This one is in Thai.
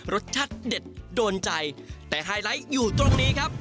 รสชาติเด็ดโดนใจแต่ไฮไลท์อยู่ตรงนี้ครับ